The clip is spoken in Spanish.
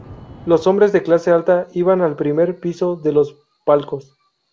Los hombres de clase alta iban al primer piso de los palcos.